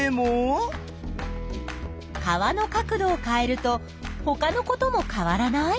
川の角度を変えるとほかのことも変わらない？